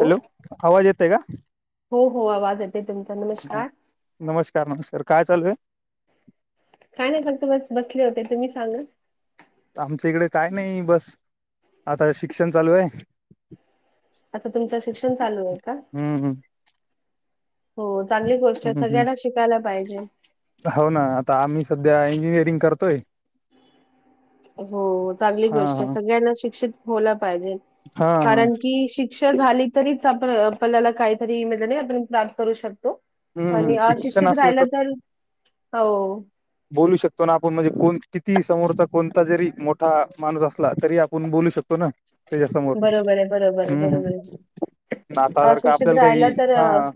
Hello आवाज येत का? हो हो आवाज येते तुमचा नमस्कार नमस्कार नमस्कार काय चालू आहेय? काय नाही फक्त बस बसले होते तुम्ही सांगा. आमच्या इकडे काय नाही बस आता शिक्षण चालू आहे. आता तुमच शिक्षण चालू आहे का? हम्म हो चांगली गोष्ट आहे हम्म हम्म सगळ्यांनाच शिकायला पाहिजे. हो ना आता आम्ही सध्या इंजिनिअरिंग करतोय. हो चांगली हा गोष्ट हा सगळ्यांना शिक्षित होला पाहिजे हा हा कारण की शिक शिक्ष झाली तरीच आप आपल्याला काहीतरी नाही आपण प्राप्त करू शकतो. हम्म आणि शिक्षण अशिक्षित असलं राहिलं तर हो. बोलू शकतो ना आपण, म्हणजे कोण किती समोरचा कोणता जरी मोठा माणूस असला, तरी आपण बोलू शकतो. ना, त्याच्या समोर, बरोबर आहे बरोबर आहे हम्म बरोबर आहे हम्म. नाता जर का, आपल्याला काही, हा.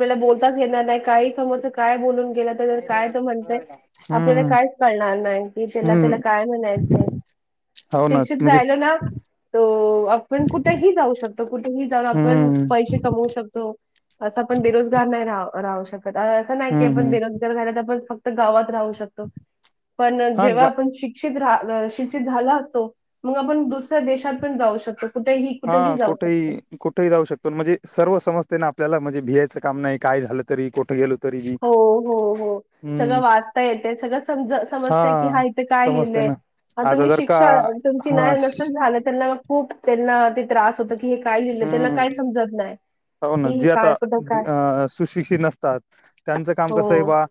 तेला बोलताच येणार नाही, काही समोरच काय बोलून गेलं काय तो म्हणतय, आपल्याला हम्म कायच कळणार नाही, कि त्याला हम्म त्याला काय म्हणायचंय. हो ना शिक्षित म्हणजे राहिलो ना त आपण कुठेही जाऊ शकतो, कुठेही जाऊन आपण हम्म पैसे कमवू शकतो. असं पण बेरोजगार नाही रा राहू शकत. असं नाही की हम्म आपण हम्म बेरोजगार झाला तर आपण फक्त गावात राहू शकतो, पण हा गा जेव्हा आपण श [unintelligible] शिक्षित झाला असतो, मग आपण दुसऱ्या देशात पण जाऊ शकतो. कुठेही, कुठेही हा जाऊ शकतो. कुठेही [unintelligible] जाऊ शकतो, म्हणजे सर्व समजतंय ना आपलाला, म्हणजे भियचं काम नाही, काय झालं, कुठ गेलो तरी. बी हो हो हो. सगळं हम्म. वाचता येते, सगळं समज समजतय की, हा इथे काय समजते लिहिलंय. ना आता तुम्ही जर का शिक्षा, तुमची हा न्याय नसेल झाला तर ना मग खूप त्यांना ते त्रास होत की, हे काय लिहिलं त्यांना हम्म काय समजत नाही. की हे जे काय कुठं काय आता सुशिक्षित नसतात, त्यांचं काम हो कस आहे बा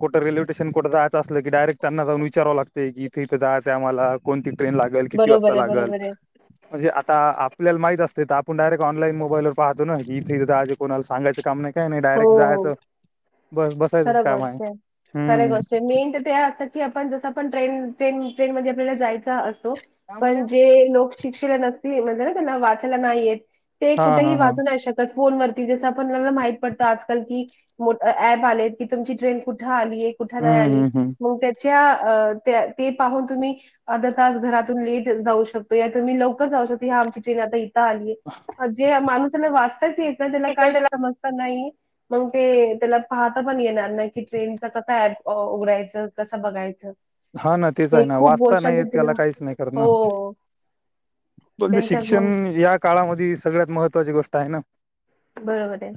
कुठे रेल्वे स्टेशन जायचं असलं की, डायरेक्ट त्यांना जाऊन विचाराव लागतय, की इथे इथे जायचं आहे आम्हाला, कोणती ट्रेन लागते ल किती बरोबर वाजता आहे लागलं, बरोबर आहे म्हणजे आपल्याला आत्ता माहिती असतय, तर आपण डायरेक्ट ऑनलाइन मोबाईल वर पाहतो. [unintelligible] कोणाला सांगायच काम नाही. काय नाही, डायरेक्ट हो जायचं, ब बसायचंच खरं काम आहे, हम्म! तेव्हा वाटत की, आपण जस आपण ट्रेन ट्रेन ट्रेनमध्ये आपल्याला जायचो असतो, काय बोलल्या? पण जे शिक्षला नसती म्हणजे ना त्यांना, वाचयला नाही येत, ते हा कुठेही हा हा वाचू नाही शक फोन वरती, जस आपणला माहित पडत आज काल की ॲप आलेत, की तुमची ट्रेन कुठ आली, कुठ नाही हम्म आली हम्म हम्म ज्या, ते पाहून तुम्ही अर्ध तास घरातून लेट जाऊ शकतो, या तर मी लवकर जाऊ शकतो, या आमची ट्रेन आता इथं आली [unintelligible] [inaudible] जे माणूसाला वाचताच येत [unintelligible] त्याला काहीच समजता नाही मग ते त्याला पाहता पण येणार नाही, की ट्रेनचा कसा ऍप उघडायचं, कसं बघायचं. हा ना, तेच हे आहे ना, खूप वाचता गोष्टांचे नाही तिला त्याला काहीच नाही करत हो ना. म्हणजे, त्यांच्या मग शिक्षण या काळामध्ये सगळ्यात महत्त्वाची गोष्ट आहे ना. बरोबर आहे.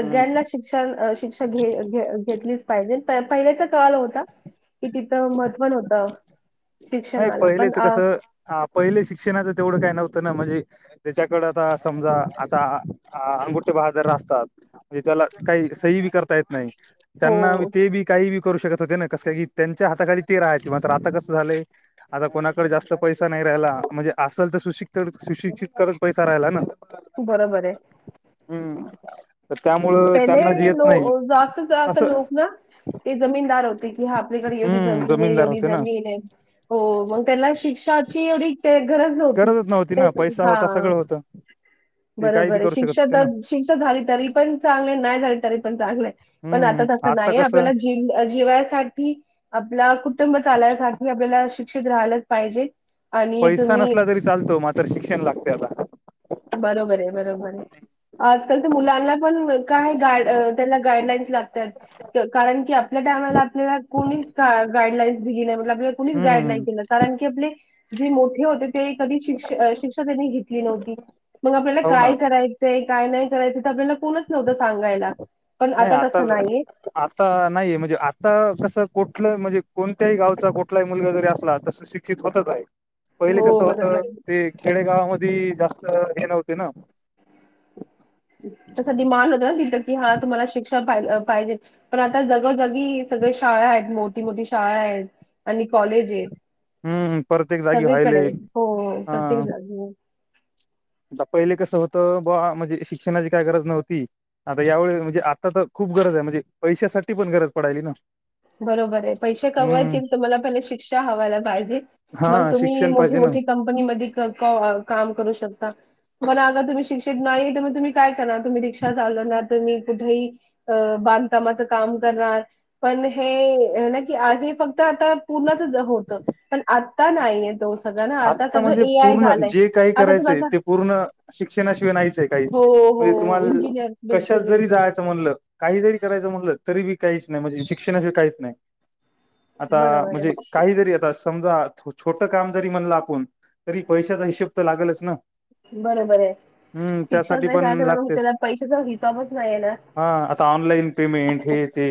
हम्म शिक्षण, शिक्षा घ घेतलीच पाहिजे, पहिल्याचा कल होता, की तिथ [unintelligible] होत. नाही पहिलेच कस, आ पहिले शिक्षणाचं तेवढं काय नव्हतं ना, म्हणजे त्याच्याकडे आता समजा, आता अंगुठे बहादर असतात. म्हणजे त्याला काही सही बी करता येत नाही. हो त्यांना ते बी काही बी करू शकत होते ना, कस का की, त्यांच्या हाताखाली ते राहायचे, मात्र आता कसं झालं आता कोणाकडे जास्त पैसा नाही राहिला, म्हणजे असेल तर सुशिक् सुशिक्षित करत पैसा राहिला ना. बरोबर आहे. हम्म! तर त्यामुळ पहिले लोक, जास्तीत जास्त लोक ना ते जमीनदार होते, की हा आपल्याकडे एवढी हम्म जमीन आहे, जमीनदार एवढी होते ना जमीन आहे. हो, मग त्याला शिक्षाची एवढी ते गरज नव्हती गरजच ते ना पैसा हा होता सगळं होतं ते काही बरोबर बी आहे करू शकत शिक्षा होते ना तर शिक्षा झाली तरी पण चांगले नाही झाली तरी पण चांगलं हाय पण आता हम्म तसं नाहीय कसं आपल्याला जी जिवायसाठी आपला कुटुंब चालायसाठी आपल्याला शिक्षित राहायलाच पाहिजे आणि पैसा तुम्ही नसला तरी चालतो मात्र शिक्षण लागते आता बरोबर आहे बरोबर आहे आजकाल तर मुलांना पण काय गा त्यांना गाईडलाईन्स लागतात कारण की आपल्या टायमला आपल्याला कोणीच गाडलाईनस दिली नाही म्हट आपल्याला कोणीच गाईड नाही हम्म. केलं कारण की आपले जे मोठे होते ते कधी शिक्ष शिक्षा त्यांनी घेतली नव्हती मग आपल्याला हो ना काय करायचंय काय नाही करायचंय तर आपल्याला कोणच नव्हत सांगायला. पण नाही आता तसं नाहीये आता नाहीये म्हणजे आता कसं कुठलं म्हणजे कोणत्याही गावचा कुठलाही मुलगा जरी असला तस सुशि क्षित होतच आहे पहिले हो कस होत बरोबर आहे. ते खेडेगावामधी जास्त हे नव्हते ना तस डिमांड होत ना तिथं की हा तुम्हाला शिक्षा पाहिजे पण आता जगोजगी सगळे शाळा आहेत मोठी मोठी शाळा आहेत आणि कॉलेज आहेत हम्म. प्रत्येक जागी सगळीकडे व्हायले आहेत हो हा. प्रत्येक जागेवर आता पहिले कसं होतं बुवा म्हणजे शिक्षणाची काय गरज नव्हती आता यावेळी म्हणजे आता तर खूप गरज आहे म्हणजे पैशासाठी पण गरज पडायची ना बरोबर आहे पैसे हम्म. कमवायचे तर मला पहिले शिक्षा हवायला पाहिजे मग हा तुम्ही शिक्षण मोठी पाहिजे ना. मोठी कंपनी मध्ये काम करू शकता पण अगं तुम्ही शिक्षित नाही तर मग तुम्ही काय करणार तुम्ही रिक्षा चालवणार तुम्ही कुठेही अ बांधकामाच काम करणार पण हे नाही की हे फक्त आता पूर्णचच होत पण आता नाही आहे दोस आता म्हणजे पूर्ण जे काही आता करायचंय तुम्हाला ते पूर्ण शिक्षणाशिवाय नाहीचंय काहीच हो म्हणजे हो तुम्हाला इंजिनियर कशात बिलकुल जरी बिलकुल जाल म्हणलं काही जरी करायचं म्हणलं तरी बी काहीच नाही म्हणजे शिक्षणाशी काहीच नाही आता बरोबर म्हणजे आहे. काहीतरी आता समजा छोटं काम जरी म्हण आपण तरी पैशाचा हिशेब तर लागलच ना बरोबर आहे हम्म शिक्षक त्यासाठी नाही पण जाल तर मग लागतेच. त्या पैशाचा हिसाबच नाहीये ना हा आता ऑनलाईन पेमेंट हे ते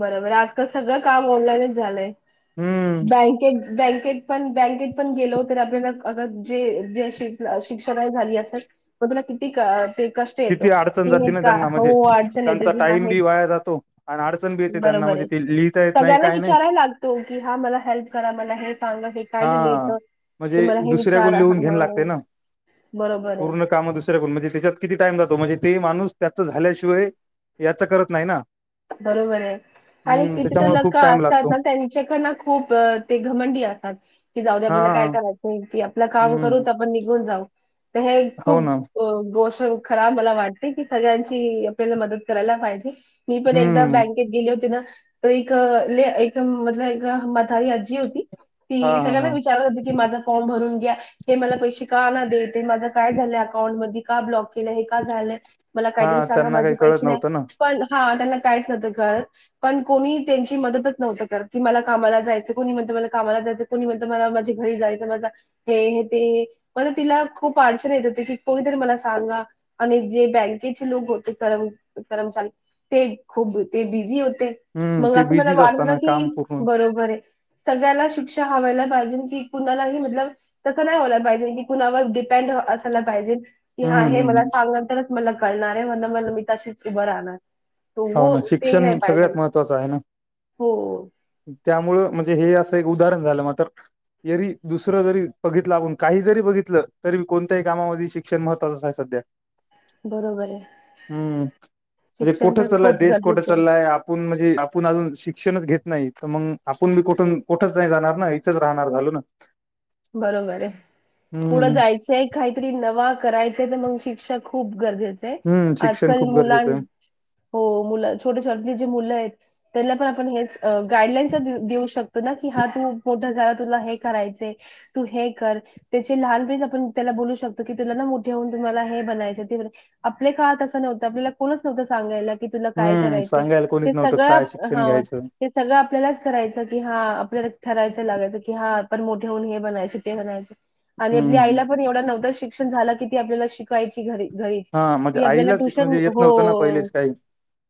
बरोबर आजकाल सगळं काम ऑनलाईनच झालंय हम्म बँकेत बँकेत पण बँकेत पण गेलो तर आपल्याला अग जे जे शिक्षक झाली असत मग तुला किती कळ ते कष्ट येतो किती अडचण की हे जाते ना का त्यांना हो म्हणजे अडचण येते त्यांचा की हा टाइम हे बी वाया जातो अन अडचण डचण बि येते त्यांना बरोबर म्हणजे ते लिहिता येत नाही काही नाही तो की हा मला हेल्प करा मला हे सांगा हे काय लिहिलं हा येतं की म्हणजे मला हे दुसऱ्या गण विचारा लिहून घेन लागतय हो ना बरोबर आहे. पूर्ण काम दुस म्हणजे त्याच्यात किती टाइम जातो म्हणजे ते माणूस त्याचा झाल्याशिवाय याच करत नाही ना बरोबर आहे आणि हम्म किती तर त्याच्यामुळे खूप लोकं टाइम असतात लागतो ना त्यांनी चे पण ना खूप घमंडी असतात कि जाऊ दे हा आपल्याला काय करायचं नाही कि आपलं काम हम्म करूच आपण निघून जाऊ तर हे हो खूप ना अ गोष्ट खराब मला वाटते की सगळ्यांची आपल्याला मदत करायला पाहिजे मी पण एकदा हम्म बँक केत गेली होती ना एक एक म्हतल एक म्हातारी आजी होती हा ती हा सगळ्यांना हा विचारत होती की माझा फॉर्म भरून घ्या हे मला पैशे का ना देते माझं काय झालंय अकाउंट मधी का ब्लॉक केलं हे का झालंय? मला काहीतरी हा सांगा त्यांना माझे काही कळत पैसे नाही नव्हतं ना पण हा त्यांना काहीच नव्हतं कळत. पण कोणी त्यांची मदतच नव्हतं करत की मला कामाला जायचं कोणी म्हणतं मला कामाला जायचं कोणी म्हणतं मला माझे घरी जायचां माझा हे न ते मला तिला खूप अडचण येत होती की कोणीतरी मला सांगा. आणि जे बँकेचे लोगं होते करम कर्मचारी ते खूप ते बिझी होते हम्म मग ते [unintelligible] बिझीच वाटत होतं असताना की काम पूर्ण बरोबर आहे. सगळ्याला शिक्षा हवायला पाहिजेन की कुणालाही मतलब तसं नाही होयला पाहिजे की कुणावर डिपेंड असायला पाहिजे. की हा हम्म हे मला हम्म सांगनं तरच मला कळणार आहे म्हणलं मी तशीच उभं राहणार तो हो वो ना तेही नाही शिक्षण पाहिजे. सगळ्यात महत्त्वाचं आहे ना. हो त्यामुळं म्हणजे हे असं एक उदाहरण झालं मातर जरी दुसरं जरी बघितलं आपण काही जरी बघितलं तरी कोणत्याही ही कामामध्ये शिक क्षण महत्वाचाच आहे सध्या. बरोबर आहे. शिक्षण कोठं तर चलला आहे खूप देश कोठं गरजेचं चलला आहे आप आपूण म्हणजे आपुण अजून शिक्षणच घेत नाही तर मंग आपण बी कुठून कुठच नाही जाणार ना इथंच राहणार झालो ना. बरोबर आहे पुढं हम्म जाय चय काहीतरी नवा करायचे तर मंग शिक्षा खूप गरजेच तेय हम्म शिक्षण आजकाल खूप मुलां गरजेचं आहे हो मुलं छोटे [unintelligible] जे मुलं आहेत त्यांना पण आपण हेच गाईडलाईनस देऊ देऊ शकतो ना की हा तू मोठा झाला तुला हे करायचे तू हे कर त्याचे लहानपणीच आपण त्याला बोलू शकतो की तुला ना मोठे होऊन तुम्हाला हे बनायचं ते बरं आपल्या काळात असं नव्हतं आपल्याला कोणच नव्हता सांगायला कि तुला काय हम्म करायच सांगायला ते कोणीच नव्हतं काय सगळं शिक्षण हा घ्यायचं ते सगळं आपल्यालाच करायचं की हा आपल्याला ठरायचं लागायचं की हा आपण मो ठे हे बनायचं ते बनायचं आणि आपल्या हम्म आईला पण एवढा नवतं शिक्षण झाला कि आपल्याला शिक कायची घरी घरीच हा म्हणजे ती आपल्याला आईलाच ट्युशन म्हणजे येत नव्हतं ना हो. पहिलेच काही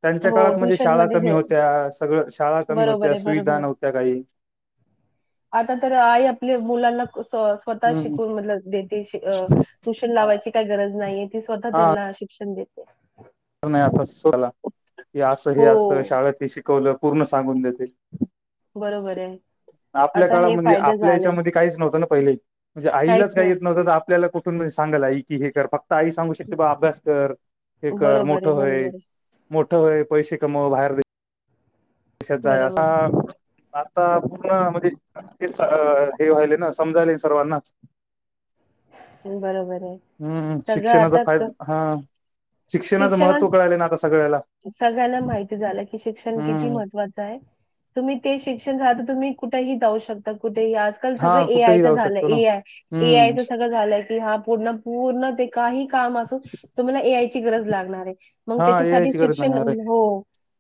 त्यांच्या हो काळात म्हणजे ट्युशन शाळा मध्ये कमी भे होत्या सगळं शाळा कमी बरोबर होत्या आहे, बरोबर सुविधा आहे. नव्हत्या काही. आता तर आई आपल्या मुलांना क सोस स्वतः हम्म शिकून म्हटलं देते शे अ ट्युशन हा लावायची ता गरज नाहीये ती स्वतः त्यांला शिक्षण देते. अजून नाहीये तसाला की असं हे हो, असं शाळेत ते शिकवलं पूर्ण सांगून देेते. बरोबर आहे. आपल्या आता काळात हे म्हणजे फायदा आपल्या झालाय. याच्यामध्ये काहीच नव्हतं ना पहिले म्हणजे काहीच आईलाच काही येत नसतं. नव्हतं तर आ पल्याला कुठून सांगाल आई की हे कर फक् ताई सांगू शकते बाळा अभ्यास कर हे कर बरोबर मोठं आहे, होय. बरोबर आहे. मोठं होय पैशे कमाव बाहेर दे शात जाया असा बरोबर, आता पूर्ण म्हणजे तेच स अ हे व्हायले ना समजायले सर्वांना. बरोबर आहे. हम्म सगळं शिक्षणाचा आता फाय क हा शिक्षणाचं महत्त्व शिक्षणात कळायले ना आता सगळ्याला. सगळ्यांना माहिती झालं की शिक्षण किती हम्म. मह त्वचा आहे तुम्ही ते शिक्षण जाता तुम्ही कुठेही जाऊ शकता कुठेही आज आजकाल सगळ हा ए आय कुठेही त जाऊ झाल. शकतो ना ए आय ए हम्म आयच सगळ झालय. की हा पूर्ण पूर्ण ते काही काम असो तुम्हाला ए आयची गरज लागणार आहे. मग हा ए आय त्याच्यासाठी ची गरज शिक्षण लागणार आहे. हो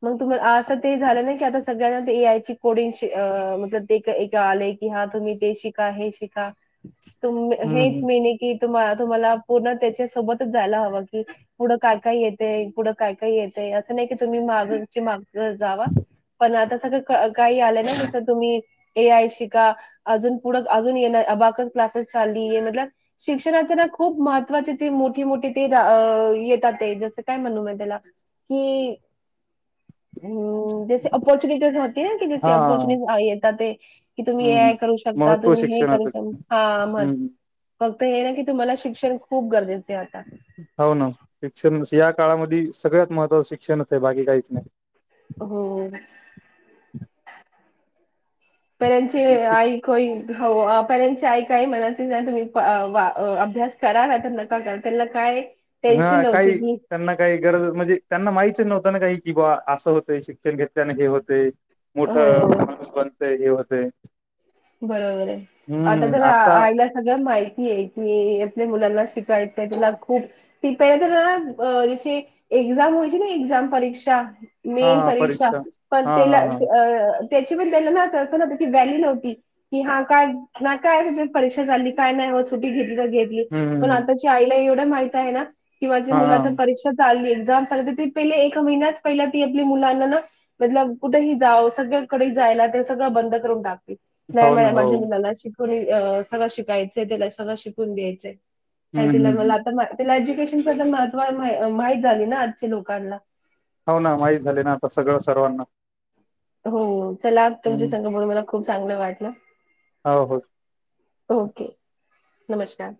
मग तुम्हाला अस ते झाल नाही की आता सगळ्यांना ए आय कोडिंग म ते आल कि हा तुम्ही ते शिका. हे शिका. तु हम्म हेच हम्म मी कि तुम तुम्हाला पूर्ण त्याच्या सोबतच जायला हव कि पुढ काय काय येते. पुढ काय काय ये ते अस नाही की तुम्ही मागुची मागन जावा पण आता सगळ काही आल ना जस तुम्ही ए आय शिका. अजून पुढ अजून ये अबाकस क्लासेस चालली मतलब शिक्षणाचे ना खूप महत्त्वाची ती मोठी मोठी ते येतात ते जस काय म्हणू मी त्याला. कि हम्म जसे अपॉर्चुनिीज होती है की जसे हा पॉर्च्युनिटीज येतात ते कि ए हम्म आय करू शकता. महत्त्व तुम्ही हे करू शिक्षणाचं शकता. हा म हम्म. फक्त हे ना की तुम्हाला शिक्षण खूप गरजेचे आहे आता. हो ना शिक्षण या काळामध्ये सगळ्यात महत्त्वाच शिक्षणच आहे. बाकी काहीच नाही. हो पेरेणची नाही शिक आई हो पेरेंटची आई काय म्हणायचे नाही. तुम्ही प वा अभ्यास करा नाहीतर नका पगार दिला काय? टेन्शन हा नव्हती काही की त्यांना काही गरज म्हणजे त्यांना माहिती नव्हत ना काही की बा अस होत शिक्षण घेतल्याने हे होते. मोठ हो माणूस बनतय. हे होतय बरोबर आहे. आता तर आयला सगळ माहिती आहे की, आपल्या मुलांना शिकायचय तिला खूप ते पहिला तर जसे एक्झाम होयची ना एक्झाम परीक्षा हा मेन हा परीक्षा, पण हा हा त्याला हा त्याची पण त्याला ना तसं ना व्हॅली नव्हती. कि हा काय नाही काय त परीक्षा झाली काय नाही सुटी घेतली तर घेतली. पण हम्म आता आईला एवढ माहिती आहे ना की, माझ्या हा मुलाच्या परीक्षेत चालली एक्झाम चाली तर ती पहिले एक महिन्याच पहिला ती आपल्या मुलांना ना मतलब कुठेही जावो सगळ्याकडे जायला ते सगळ बंद करून टाकतील. नाही हो मा ना हो माझ्या मुलाला शिकून सगळ शिकायच त्याला सगळ शिकून द्यायचय. का हम्म तिला हम्म मला आता तिला एज्युकेशन बद्दल महत्त्व माहित झाली ना आजच्या लोकांना. हो ना माहीत झाले ना आता सगळ सर्वांना. हो चला, तुमच्या हम्म संघ म्हणून मला खूप चांगल वाटल. हा हो ओके नमस्कार.